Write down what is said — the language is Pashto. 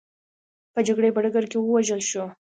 په جګړې په ډګر کې ووژل شول.